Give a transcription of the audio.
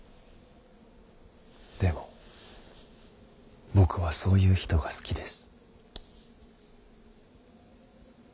でも僕はそういう人が好きです。